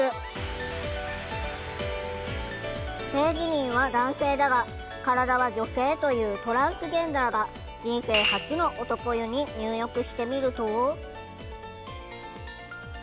性自認は男性だが体は女性というトランスジェンダーが人生初の男湯に入浴してみると。